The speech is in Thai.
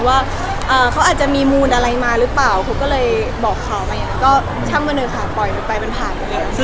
ว่าทำมายถือมีการโปรโมทสินค้าด้วยอะไร